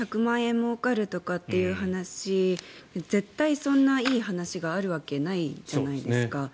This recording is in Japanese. もうかるとかって話絶対に、そんないい話があるわけないじゃないですか。